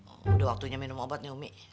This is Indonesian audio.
udah waktunya minum obat nih umi